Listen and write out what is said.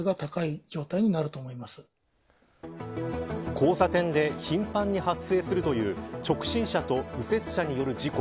交差点で頻繁に発生するという直進車と右折車による事故。